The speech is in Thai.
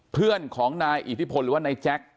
เพื่อนของนายอิทธิพลหรือว่านายแจ็ค